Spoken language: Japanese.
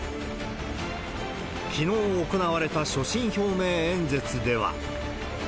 きのう行われた所信表明演説では。